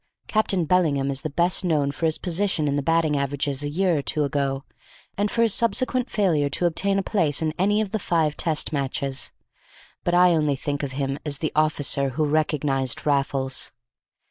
Captain Bellingham is best known for his position in the batting averages a year or two ago, and for his subsequent failure to obtain a place in any of the five Test Matches. But I only think of him as the officer who recognized Raffles.